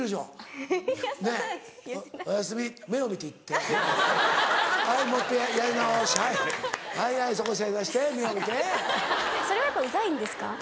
それはやっぱうざいんですか？